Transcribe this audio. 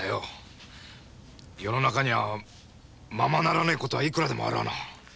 世の中にはままならねえ事は幾らでもあらぁな。